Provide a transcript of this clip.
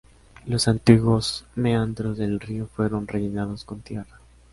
Los antiguos meandros del río fueron rellenados con tierra.